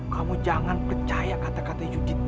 kamu jangan percaya kata kata jujitmu